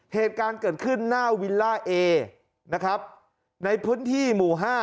เหตุการณ์เกิดขึ้นหน้าวิลล่าเอนะครับในพื้นที่หมู่๕